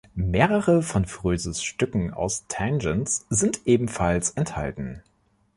Mehrere von Froeses Stücken aus „Tangents“ sind ebenfalls enthalten.